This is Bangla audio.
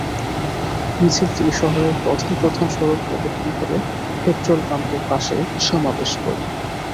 মিছিলটি শহরের প্রধান প্রধান সড়ক প্রদক্ষিণ শেষে পেট্রল পাম্পের পাশে সমাবেশ করে।